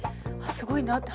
すごいなって。